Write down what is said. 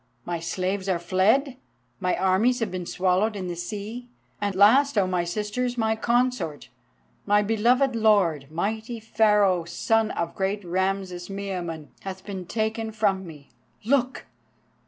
My slaves are fled, my armies have been swallowed in the sea; and last, O my sisters, my consort, my beloved lord, mighty Pharaoh, son of great Rameses Miamun, hath been taken from me! Look!